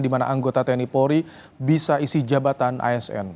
di mana anggota tni polri bisa isi jabatan asn